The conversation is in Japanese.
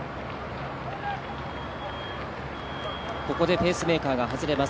ここでペースメーカーが外れます。